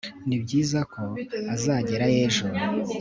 Nibyiza ko azagerayo ejo